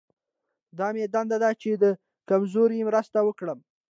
دا مې دنده ده چې د کمزوري مرسته وکړم.